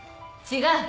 違う。